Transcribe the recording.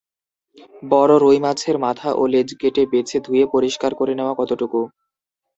বড় রুই মাছের মাথা ও লেজ কেটে বেছে ধুয়ে পরিষ্কার করে নেওয়া কতটুকু?